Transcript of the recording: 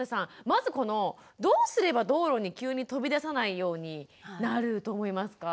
まずこのどうすれば道路に急に飛び出さないようになると思いますか？